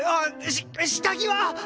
し下着は！